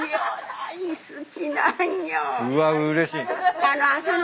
うわうれしい。